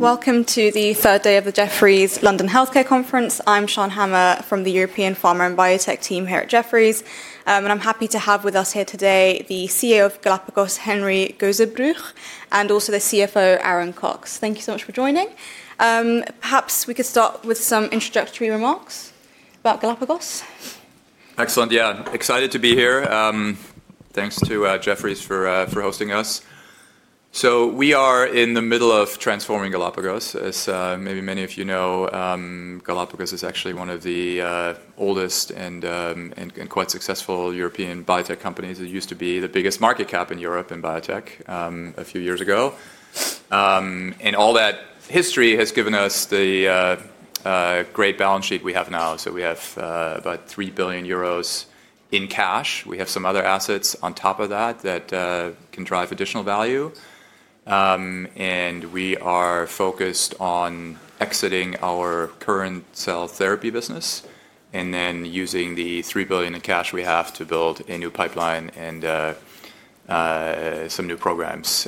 Welcome to the third day of the Jefferies London Healthcare Conference. I'm Sian Hammer from the European Pharma and Biotech team here at Jefferies, and I'm happy to have with us here today the CEO of Galapagos, Henry Gosebruch, and also the CFO, Aaron Cox. Thank you so much for joining. Perhaps we could start with some introductory remarks about Galapagos. Excellent, yeah. Excited to be here. Thanks to Jefferies for hosting us. We are in the middle of transforming Galapagos. As maybe many of you know, Galapagos is actually one of the oldest and quite successful European biotech companies. It used to be the biggest market cap in Europe in biotech a few years ago. All that history has given us the great balance sheet we have now. We have about 3 billion euros in cash. We have some other assets on top of that that can drive additional value. We are focused on exiting our current cell therapy business and then using the 3 billion in cash we have to build a new pipeline and some new programs.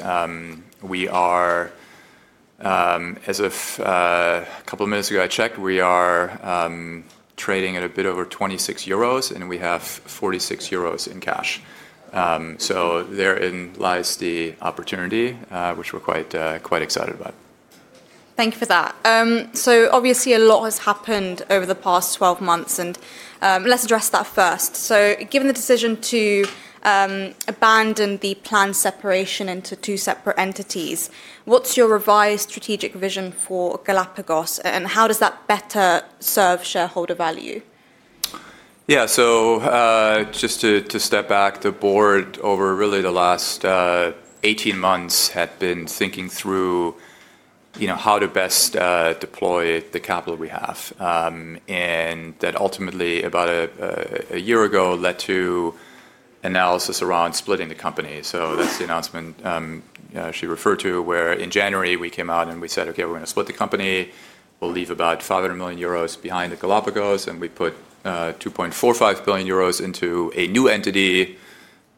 As of a couple of minutes ago, I checked, we are trading at a bit over 26 euros, and we have 46 euros in cash. Therein lies the opportunity, which we're quite excited about. Thank you for that. Obviously, a lot has happened over the past 12 months, and let's address that first. Given the decision to abandon the planned separation into two separate entities, what's your revised strategic vision for Galapagos, and how does that better serve shareholder value? Yeah, so just to step back, the board over really the last 18 months had been thinking through how to best deploy the capital we have. That ultimately, about a year ago, led to analysis around splitting the company. That is the announcement she referred to, where in January, we came out and we said, "Okay, we are going to split the company. We will leave about 500 million euros behind at Galapagos." We put 2.45 billion euros into a new entity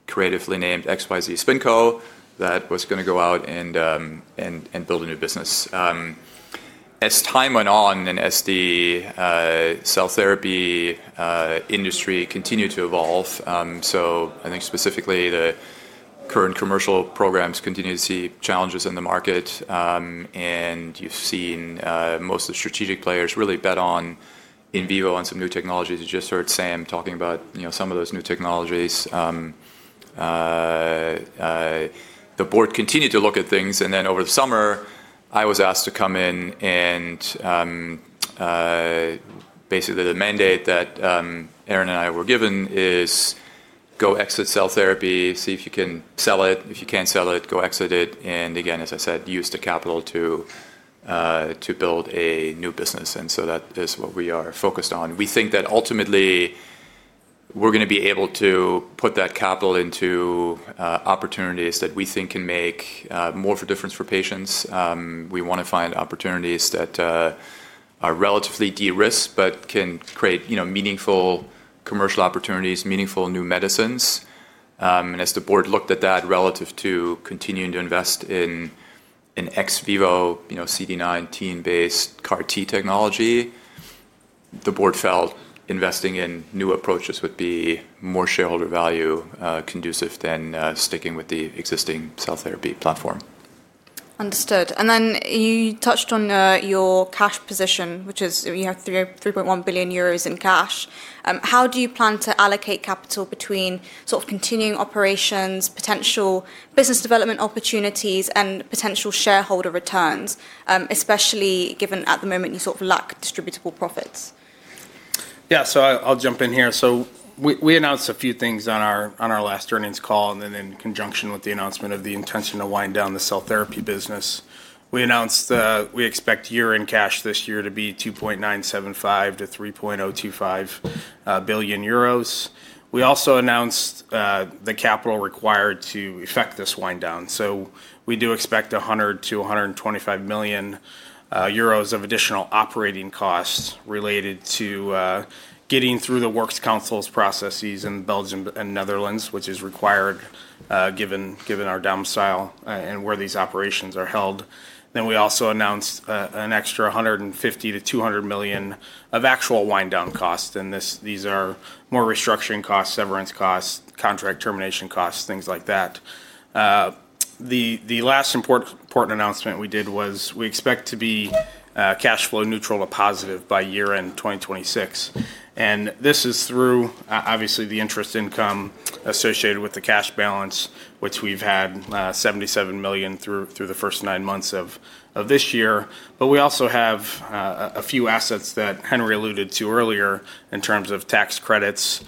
creatively named XYZ Spinco that was going to go out and build a new business. As time went on and as the cell therapy industry continued to evolve, I think specifically the current commercial programs continue to see challenges in the market. You have seen most of the strategic players really bet on in vivo on some new technologies. You just heard Sam talking about some of those new technologies. The board continued to look at things. Over the summer, I was asked to come in, and basically the mandate that Aaron and I were given is go exit cell therapy, see if you can sell it. If you can't sell it, go exit it. As I said, use the capital to build a new business. That is what we are focused on. We think that ultimately we're going to be able to put that capital into opportunities that we think can make more of a difference for patients. We want to find opportunities that are relatively de-risked but can create meaningful commercial opportunities, meaningful new medicines. As the board looked at that relative to continuing to invest in ex-vivo CD19-based CAR-T technology, the board felt investing in new approaches would be more shareholder value conducive than sticking with the existing cell therapy platform. Understood. You touched on your cash position, which is you have 3.1 billion euros in cash. How do you plan to allocate capital between sort of continuing operations, potential business development opportunities, and potential shareholder returns, especially given at the moment you sort of lack distributable profits? Yeah, I'll jump in here. We announced a few things on our last earnings call, and in conjunction with the announcement of the intention to wind down the cell therapy business, we announced we expect year-end cash this year to be 2.975 billion-3.025 billion euros. We also announced the capital required to effect this wind down. We do expect 100 million-125 million euros of additional operating costs related to getting through the works councils processes in Belgium and Netherlands, which is required given our domicile and where these operations are held. We also announced an extra 150 million-200 million of actual wind down costs. These are more restructuring costs, severance costs, contract termination costs, things like that. The last important announcement we did was we expect to be cash flow neutral or positive by year-end 2026. This is through, obviously, the interest income associated with the cash balance, which we've had 77 million through the first nine months of this year. We also have a few assets that Henry alluded to earlier in terms of tax credits.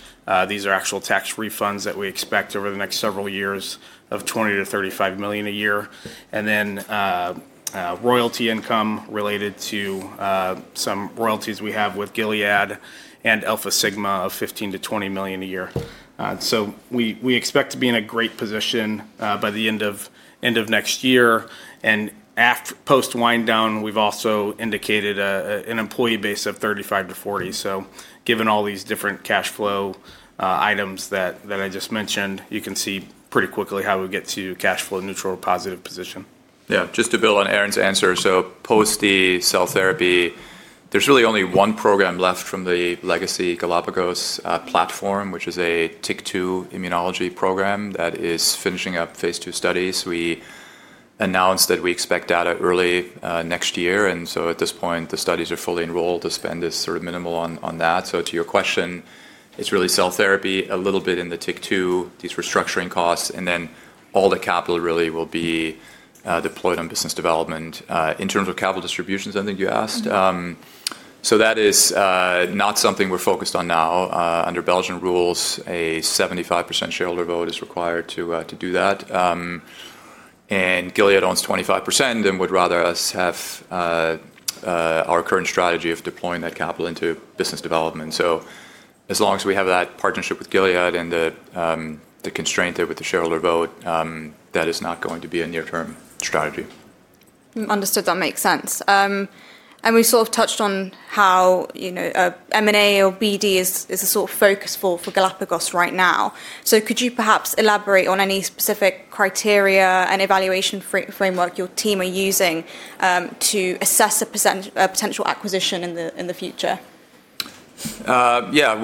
These are actual tax refunds that we expect over the next several years of 20 million-35 million a year. Royalty income related to some royalties we have with Gilead and Alpha Sigma of 15 million-20 million a year. We expect to be in a great position by the end of next year. Post wind down, we've also indicated an employee base of 35-40. Given all these different cash flow items that I just mentioned, you can see pretty quickly how we get to a cash flow neutral or positive position. Yeah. Just to build on Aaron's answer, post the cell therapy, there's really only one program left from the legacy Galapagos platform, which is a TIC2 immunology program that is finishing up phase two studies. We announced that we expect data early next year. At this point, the studies are fully enrolled. The spend is sort of minimal on that. To your question, it's really cell therapy, a little bit in the TIC2, these restructuring costs, and then all the capital really will be deployed on business development. In terms of capital distributions, I think you asked, that is not something we're focused on now. Under Belgian rules, a 75% shareholder vote is required to do that. Gilead owns 25% and would rather us have our current strategy of deploying that capital into business development. As long as we have that partnership with Gilead and the constraint with the shareholder vote, that is not going to be a near-term strategy. Understood. That makes sense. We sort of touched on how M&A or BD is a sort of focus for Galapagos right now. Could you perhaps elaborate on any specific criteria and evaluation framework your team are using to assess a potential acquisition in the future? Yeah,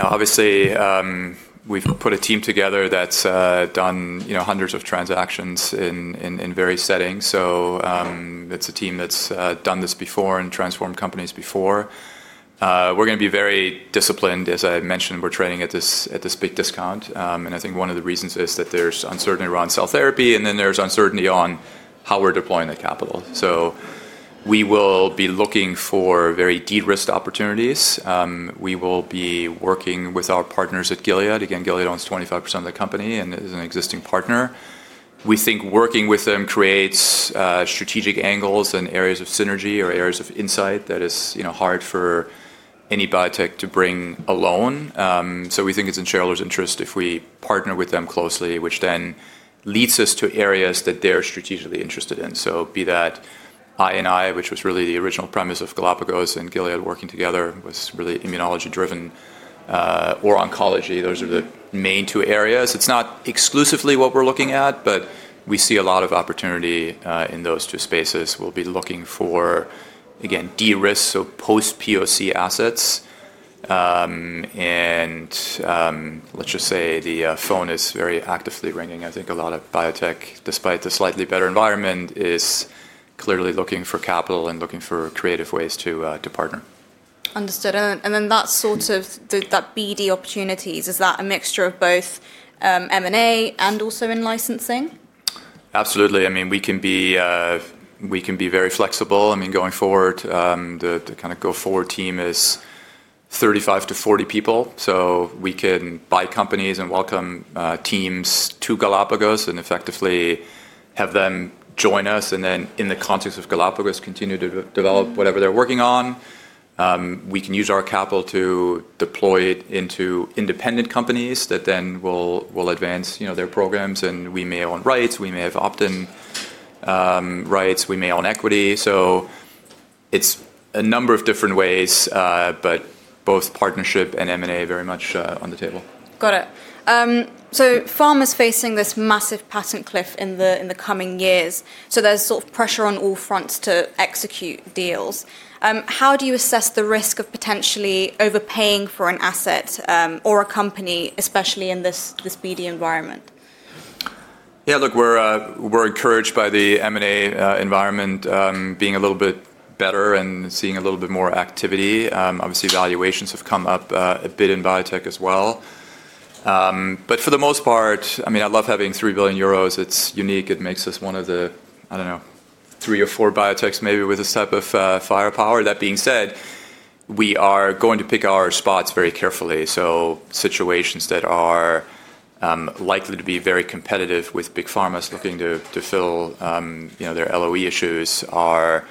obviously, we've put a team together that's done hundreds of transactions in various settings. It is a team that's done this before and transformed companies before. We're going to be very disciplined. As I mentioned, we're trading at this big discount. I think one of the reasons is that there's uncertainty around cell therapy, and then there's uncertainty on how we're deploying that capital. We will be looking for very de-risked opportunities. We will be working with our partners at Gilead. Again, Gilead owns 25% of the company and is an existing partner. We think working with them creates strategic angles and areas of synergy or areas of insight that is hard for any biotech to bring alone. We think it's in shareholders' interest if we partner with them closely, which then leads us to areas that they're strategically interested in. I&I, which was really the original premise of Galapagos and Gilead working together, was really immunology driven or oncology. Those are the main two areas. It's not exclusively what we're looking at, but we see a lot of opportunity in those two spaces. We'll be looking for, again, de-risked or post-POC assets. Let's just say the phone is very actively ringing. I think a lot of biotech, despite the slightly better environment, is clearly looking for capital and looking for creative ways to partner. Understood. That sort of BD opportunities, is that a mixture of both M&A and also in licensing? Absolutely. I mean, we can be very flexible. I mean, going forward, the kind of go-forward team is 35-40 people. We can buy companies and welcome teams to Galapagos and effectively have them join us and then in the context of Galapagos continue to develop whatever they're working on. We can use our capital to deploy it into independent companies that then will advance their programs. We may own rights. We may have opt-in rights. We may own equity. It is a number of different ways, but both partnership and M&A very much on the table. Got it. Pharma is facing this massive patent cliff in the coming years. There is sort of pressure on all fronts to execute deals. How do you assess the risk of potentially overpaying for an asset or a company, especially in this BD environment? Yeah, look, we're encouraged by the M&A environment being a little bit better and seeing a little bit more activity. Obviously, valuations have come up a bit in biotech as well. For the most part, I mean, I love having 3 billion euros. It's unique. It makes us one of the, I don't know, three or four biotechs maybe with a sip of firepower. That being said, we are going to pick our spots very carefully. Situations that are likely to be very competitive with big pharmas looking to fill their LOE issues are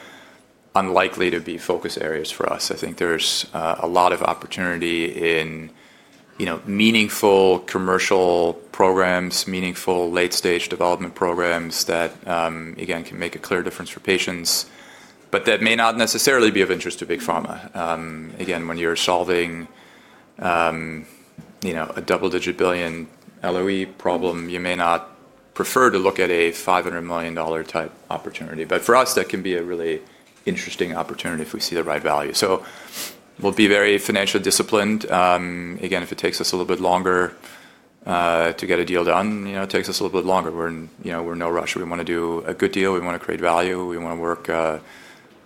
unlikely to be focus areas for us. I think there's a lot of opportunity in meaningful commercial programs, meaningful late-stage development programs that, again, can make a clear difference for patients, but that may not necessarily be of interest to big pharma. Again, when you're solving a double-digit billion LOE problem, you may not prefer to look at a $500 million type opportunity. For us, that can be a really interesting opportunity if we see the right value. We will be very financially disciplined. Again, if it takes us a little bit longer to get a deal done, it takes us a little bit longer. We're in no rush. We want to do a good deal. We want to create value. We want to work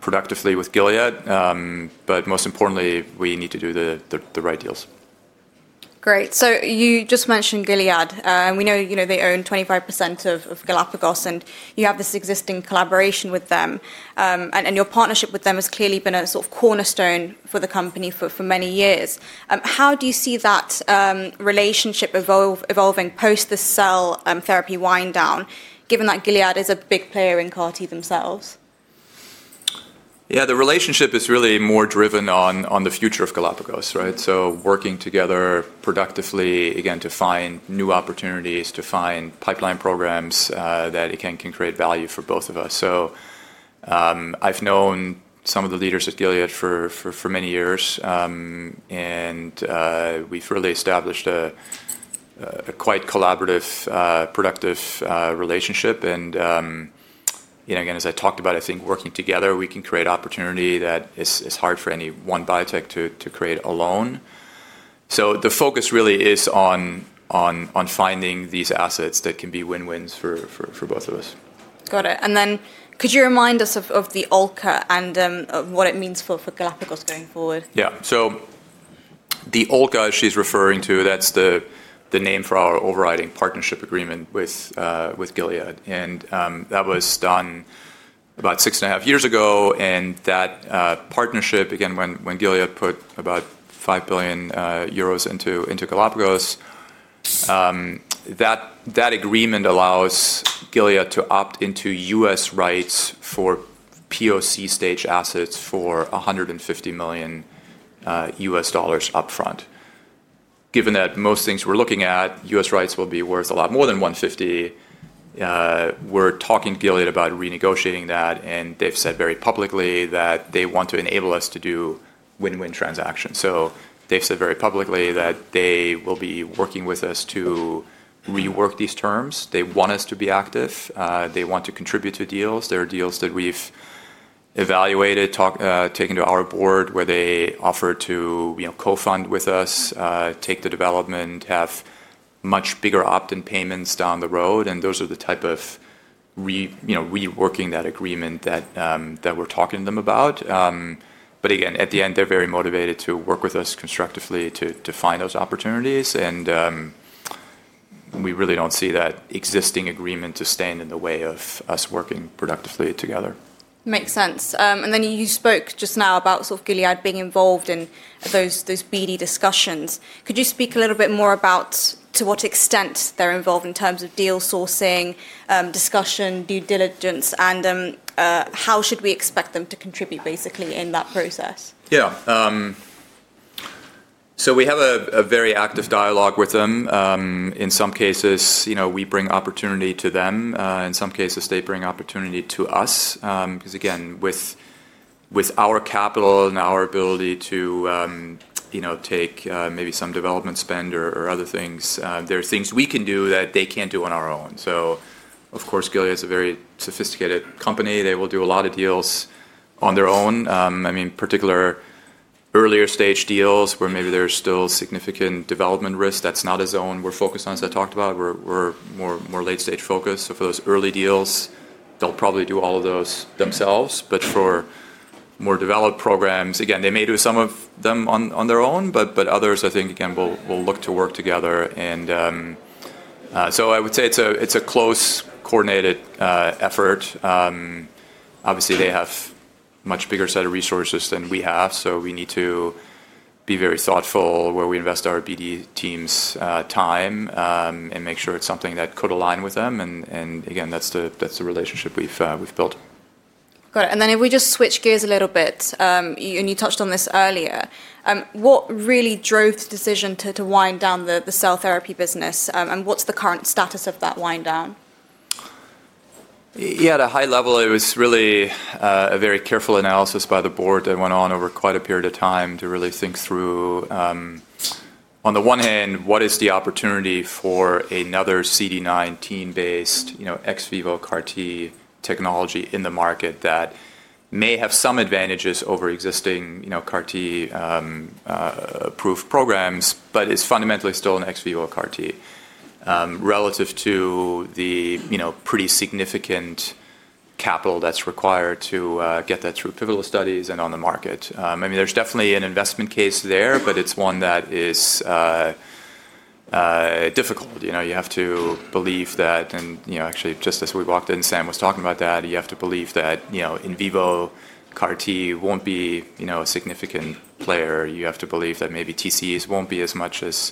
productively with Gilead. Most importantly, we need to do the right deals. Great. You just mentioned Gilead. We know they own 25% of Galapagos, and you have this existing collaboration with them. Your partnership with them has clearly been a sort of cornerstone for the company for many years. How do you see that relationship evolving post the cell therapy wind down, given that Gilead is a big player in CAR-T themselves? Yeah, the relationship is really more driven on the future of Galapagos, right? Working together productively, again, to find new opportunities, to find pipeline programs that can create value for both of us. I have known some of the leaders at Gilead for many years, and we have really established a quite collaborative, productive relationship. Again, as I talked about, I think working together, we can create opportunity that is hard for any one biotech to create alone. The focus really is on finding these assets that can be win-wins for both of us. Got it. Could you remind us of the OLCA and what it means for Galapagos going forward? Yeah. The OLCA she's referring to, that's the name for our overriding partnership agreement with Gilead. That was done about six and a half years ago. That partnership, again, when Gilead put about 5 billion euros into Galapagos, that agreement allows Gilead to opt into U.S. rights for POC stage assets for $150 million upfront. Given that most things we're looking at, U.S. rights will be worth a lot more than $150. We're talking to Gilead about renegotiating that, and they've said very publicly that they want to enable us to do win-win transactions. They've said very publicly that they will be working with us to rework these terms. They want us to be active. They want to contribute to deals. There are deals that we've evaluated, taken to our board where they offer to co-fund with us, take the development, have much bigger opt-in payments down the road. Those are the type of reworking that agreement that we're talking to them about. Again, at the end, they're very motivated to work with us constructively to find those opportunities. We really don't see that existing agreement to stand in the way of us working productively together. Makes sense. You spoke just now about sort of Gilead being involved in those BD discussions. Could you speak a little bit more about to what extent they're involved in terms of deal sourcing, discussion, due diligence, and how should we expect them to contribute basically in that process? Yeah. We have a very active dialogue with them. In some cases, we bring opportunity to them. In some cases, they bring opportunity to us. Because again, with our capital and our ability to take maybe some development spend or other things, there are things we can do that they can't do on their own. Of course, Gilead is a very sophisticated company. They will do a lot of deals on their own. I mean, particular earlier stage deals where maybe there's still significant development risk, that's not as owned. We're focused on, as I talked about, we're more late-stage focused. For those early deals, they'll probably do all of those themselves. For more developed programs, again, they may do some of them on their own, but others, I think, again, will look to work together. I would say it's a close coordinated effort. Obviously, they have a much bigger set of resources than we have. We need to be very thoughtful where we invest our BD teams' time and make sure it's something that could align with them. Again, that's the relationship we've built. Got it. If we just switch gears a little bit, and you touched on this earlier, what really drove the decision to wind down the cell therapy business, and what is the current status of that wind down? Yeah, at a high level, it was really a very careful analysis by the board that went on over quite a period of time to really think through, on the one hand, what is the opportunity for another CD19 team-based ex-vivo CAR-T technology in the market that may have some advantages over existing CAR-T proof programs, but is fundamentally still an ex-vivo CAR-T relative to the pretty significant capital that's required to get that through pivotal studies and on the market. I mean, there's definitely an investment case there, but it's one that is difficult. You have to believe that, and actually, just as we walked in, Sam was talking about that, you have to believe that in vivo CAR-T won't be a significant player. You have to believe that maybe TCEs won't be as much as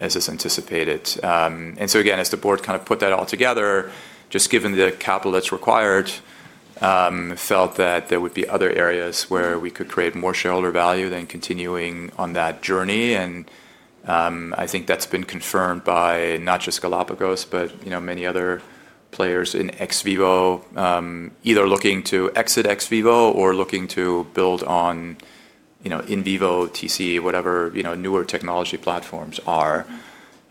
is anticipated. As the board kind of put that all together, just given the capital that's required, felt that there would be other areas where we could create more shareholder value than continuing on that journey. I think that's been confirmed by not just Galapagos, but many other players in ex-vivo, either looking to exit ex-vivo or looking to build on in vivo TCE, whatever newer technology platforms are.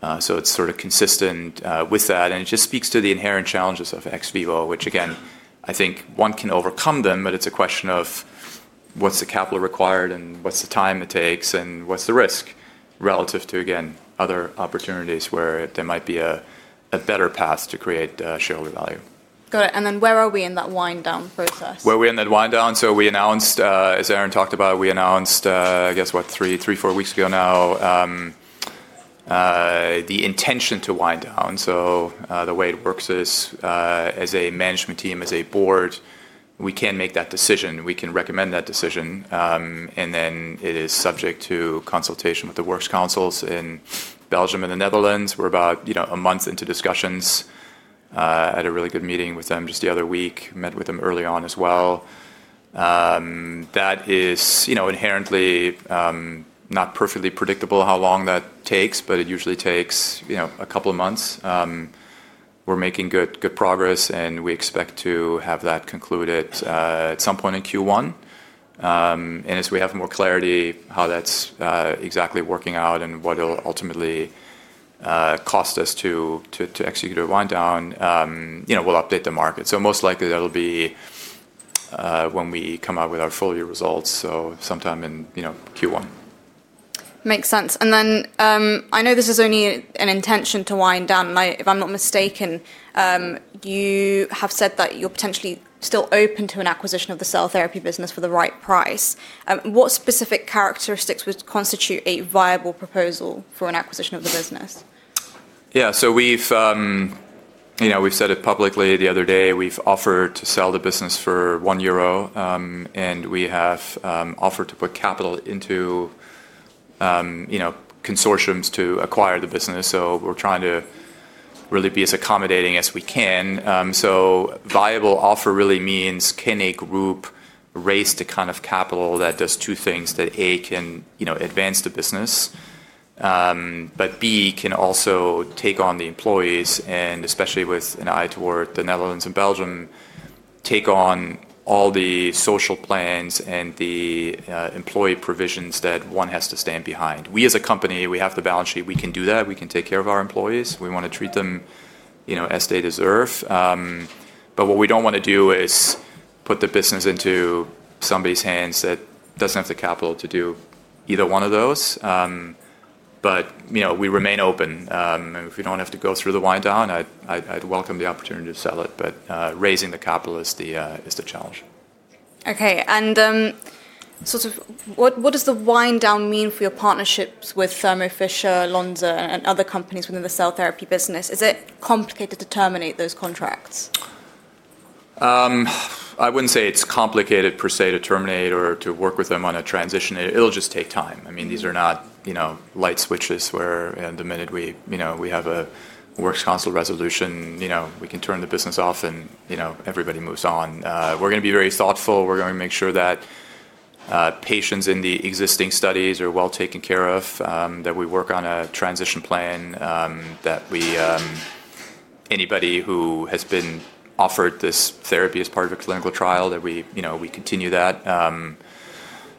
It's sort of consistent with that. It just speaks to the inherent challenges of ex-vivo, which again, I think one can overcome them, but it's a question of what's the capital required and what's the time it takes and what's the risk relative to, again, other opportunities where there might be a better path to create shareholder value. Got it. Where are we in that wind down process? Where we are in that wind down. We announced, as Aaron talked about, we announced, I guess, what, three, three, four weeks ago now, the intention to wind down. The way it works is as a management team, as a board, we can make that decision. We can recommend that decision. It is subject to consultation with the works councils in Belgium and the Netherlands. We're about a month into discussions, had a really good meeting with them just the other week, met with them early on as well. That is inherently not perfectly predictable how long that takes, but it usually takes a couple of months. We're making good progress, and we expect to have that concluded at some point in Q1. As we have more clarity how that's exactly working out and what it'll ultimately cost us to execute a wind down, we'll update the market. Most likely that'll be when we come out with our full year results, sometime in Q1. Makes sense. I know this is only an intention to wind down. If I'm not mistaken, you have said that you're potentially still open to an acquisition of the cell therapy business for the right price. What specific characteristics would constitute a viable proposal for an acquisition of the business? Yeah. We have said it publicly the other day. We have offered to sell the business for 1 euro, and we have offered to put capital into consortiums to acquire the business. We are trying to really be as accommodating as we can. Viable offer really means can a group raise the kind of capital that does two things that, A, can advance the business, but, B, can also take on the employees and especially with an eye toward the Netherlands and Belgium, take on all the social plans and the employee provisions that one has to stand behind. We as a company, we have the balance sheet. We can do that. We can take care of our employees. We want to treat them as they deserve. What we do not want to do is put the business into somebody's hands that does not have the capital to do either one of those. We remain open. If we do not have to go through the wind down, I would welcome the opportunity to sell it. Raising the capital is the challenge. Okay. What does the wind down mean for your partnerships with Thermo Fisher, Lonza, and other companies within the cell therapy business? Is it complicated to terminate those contracts? I wouldn't say it's complicated per se to terminate or to work with them on a transition. It'll just take time. I mean, these are not light switches where the minute we have a works council resolution, we can turn the business off and everybody moves on. We're going to be very thoughtful. We're going to make sure that patients in the existing studies are well taken care of, that we work on a transition plan, that anybody who has been offered this therapy as part of a clinical trial, that we continue that.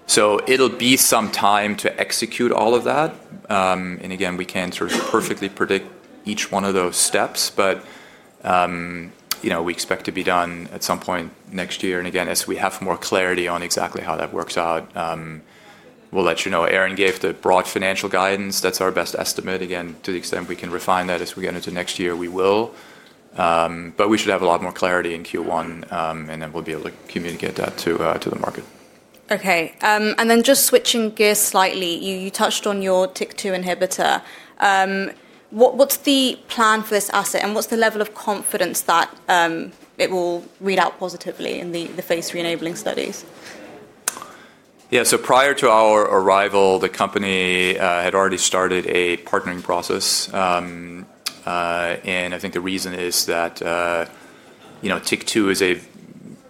It'll be some time to execute all of that. Again, we can't sort of perfectly predict each one of those steps, but we expect to be done at some point next year. Again, as we have more clarity on exactly how that works out, we'll let you know. Aaron gave the broad financial guidance. That is our best estimate. Again, to the extent we can refine that as we get into next year, we will. We should have a lot more clarity in Q1, and then we will be able to communicate that to the market. Okay. And then just switching gears slightly, you touched on your TIC2 inhibitor. What's the plan for this asset, and what's the level of confidence that it will read out positively in the phase three enabling studies? Yeah. Prior to our arrival, the company had already started a partnering process. I think the reason is that TIC2 is a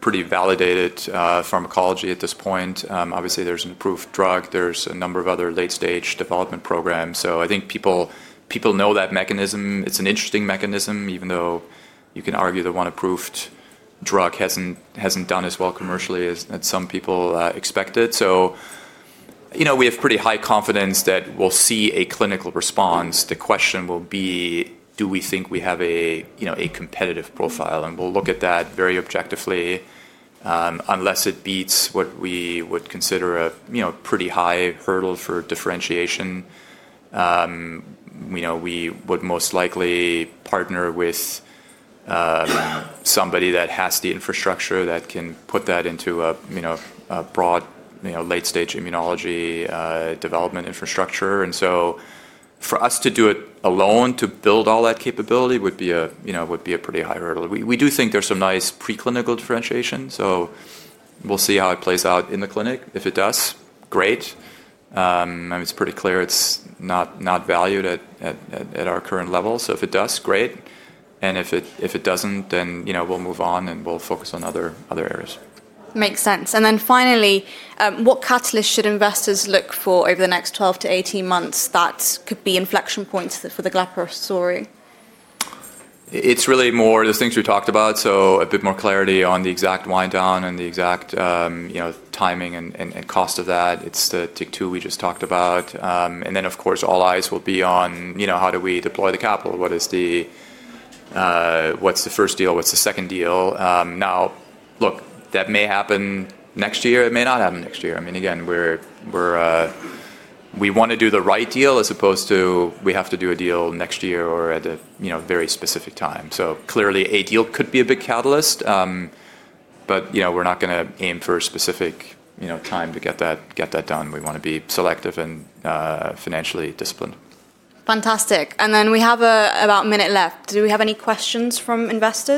pretty validated pharmacology at this point. Obviously, there is an approved drug. There are a number of other late-stage development programs. I think people know that mechanism. It is an interesting mechanism, even though you can argue that one approved drug has not done as well commercially as some people expected. We have pretty high confidence that we will see a clinical response. The question will be, do we think we have a competitive profile? We will look at that very objectively. Unless it beats what we would consider a pretty high hurdle for differentiation, we would most likely partner with somebody that has the infrastructure that can put that into a broad late-stage immunology development infrastructure. For us to do it alone to build all that capability would be a pretty high hurdle. We do think there's some nice preclinical differentiation. We'll see how it plays out in the clinic. If it does, great. It's pretty clear it's not valued at our current level. If it does, great. If it doesn't, then we'll move on and we'll focus on other areas. Makes sense. Finally, what catalysts should investors look for over the next 12 to 18 months that could be inflection points for the Galapagos story? It's really more the things we talked about. A bit more clarity on the exact wind down and the exact timing and cost of that. It's the TIC2 we just talked about. Of course, all eyes will be on how do we deploy the capital? What's the first deal? What's the second deal? Now, look, that may happen next year. It may not happen next year. I mean, again, we want to do the right deal as opposed to we have to do a deal next year or at a very specific time. Clearly, a deal could be a big catalyst, but we're not going to aim for a specific time to get that done. We want to be selective and financially disciplined. Fantastic. We have about a minute left. Do we have any questions from investors?